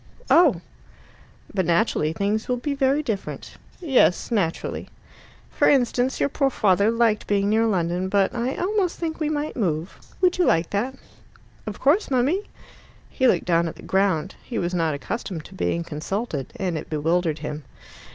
"Oh!" "But naturally things will be very different." "Yes, naturally." "For instance, your poor father liked being near London, but I almost think we might move. Would you like that?" "Of course, mummy." He looked down at the ground. He was not accustomed to being consulted, and it bewildered him.